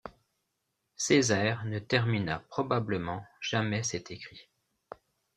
Césaire ne termina probablement jamais cet écrit.